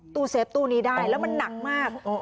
ตู้เซฟตู้นี้ได้แล้วมันหนักมาก